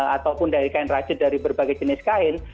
ataupun dari kain racun dari berbagai jenis kain